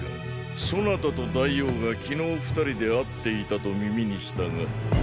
そなたと大王が昨日二人で会っていたと耳にしたが。